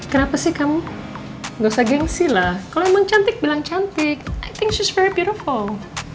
kenapa sih kamu gak usah gengsi lah kalau emang cantik bilang cantik i think sus very peer fall